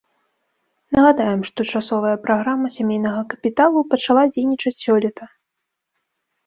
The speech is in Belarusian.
Нагадаем, што часовая праграма сямейнага капіталу пачала дзейнічаць сёлета.